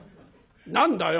何だよ？」。